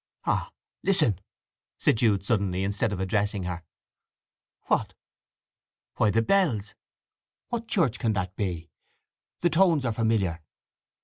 "Ah—listen!" said Jude suddenly, instead of addressing her. "What?" "Why the bells—what church can that be? The tones are familiar."